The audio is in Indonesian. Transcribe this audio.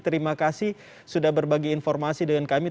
terima kasih sudah berbagi informasi dengan kami